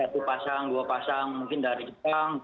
jadi itu pasang dua pasang mungkin dari jepang